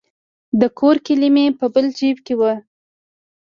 د کور کیلي مې په بل جیب کې وه.